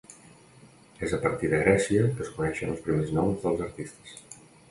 És a partir de Grècia que es coneixen els primers noms dels artistes.